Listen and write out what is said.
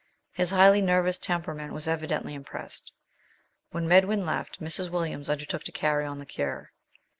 His highly nervous tem perament was evidently impressed. When Medwin left, Mrs. Williams undertook to carry on the cure.